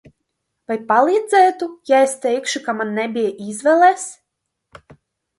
Vai palīdzētu, ja es teikšu, ka man nebija izvēles?